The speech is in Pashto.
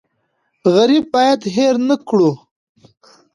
غریب باید هېر نکړو.